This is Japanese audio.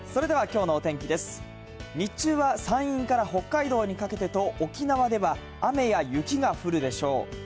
日中は山陰から北海道にかけてと沖縄では雨や雪が降るでしょう。